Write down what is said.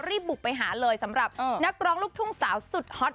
รีบบุกไปหาเลยสำหรับนักร้องลูกทุ่งสาวสุดฮอต